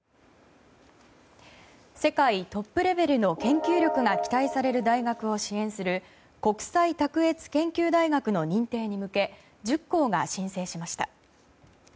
世界トップレベルの研究力が期待される大学を支援する国際卓越研究大学の認定に向け１０校が申請しました。